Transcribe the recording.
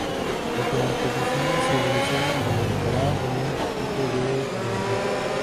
Las competiciones se realizaron en el Canal Olímpico de Deodoro.